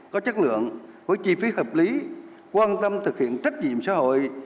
có chất lượng với chi phí hợp lý quan tâm thực hiện trách nhiệm xã hội